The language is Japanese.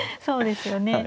そうですよね。